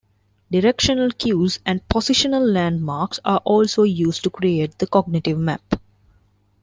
Directional cues and positional landmarks are also used to create the cognitive map.